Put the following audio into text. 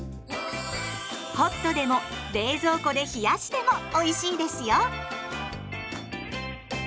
ホットでも冷蔵庫で冷やしてもおいしいですよ！